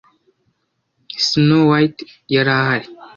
Snow White yari ahari